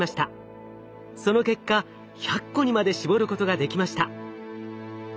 その結果１００個にまで絞ることができました。